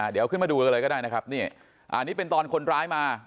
เดี๋ยวขึ้นมาดูกันเลยก็ได้นะครับนี่อันนี้เป็นตอนคนร้ายมา